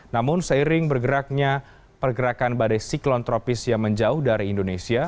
namun seiring bergeraknya pergerakan badai siklon tropis yang menjauh dari indonesia